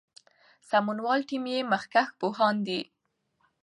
سمونوال ټیم یې مخکښ پوهان دي.